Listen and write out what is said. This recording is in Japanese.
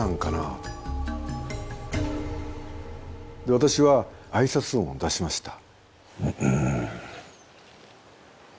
私はあいさつ音を出しました。